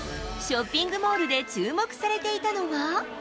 ショッピングモールで注目されていたのは。